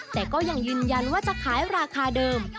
แต่ก็ยังยืนยันว่าจะขายราคาเดิม